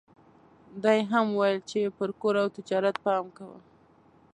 دا يې هم وويل چې پر کور او تجارت پام کوه.